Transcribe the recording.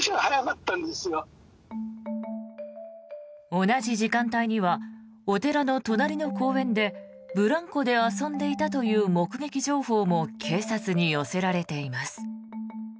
同じ時間帯にはお寺の隣の公園でブランコで遊んでいたという目撃情報も警察に寄せられています。